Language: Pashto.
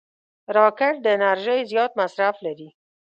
راکټ د انرژۍ زیات مصرف لري